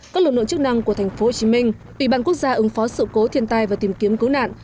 các lực lượng chức năng của tp hcm ủy ban quốc gia ứng phó sự cố thiên tai và tìm kiếm cứu nạn